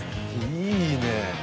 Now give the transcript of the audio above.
いいね